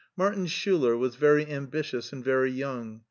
Martin Schii ler was very ambitious and very young.